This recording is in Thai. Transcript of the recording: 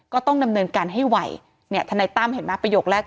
ก็ต้องดำเนินการให้ไวเนี่ยทนายตั้มเห็นไหมประโยคแรก